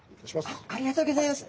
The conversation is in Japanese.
あっありがとうギョざいます。